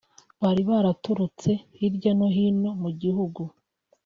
bari baraturutse hirya no hino mu gihugu